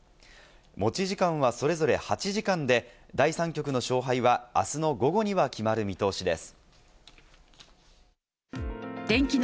持ち時間はそれぞれ８時間で、第３局の勝敗はあすの午後には決まる見通しです。